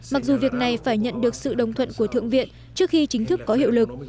mặc dù việc này phải nhận được sự đồng thuận của thượng viện trước khi chính thức có hiệu lực